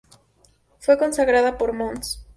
Fue consagrada por Mons.